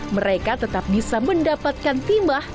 mereka tetap bisa mendapatkan timah